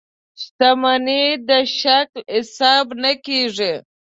شتمنۍ دا شکل حساب نه کېږي.